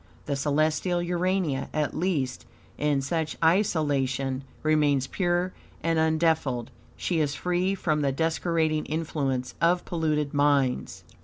The celestial Urania, at least, in such isolation remains pure and undefiled. She is free from the desecrating influence of polluted minds.